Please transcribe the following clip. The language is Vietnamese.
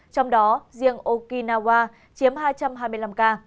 trong đó riêng okinawa chiếm hai trăm hai mươi năm ca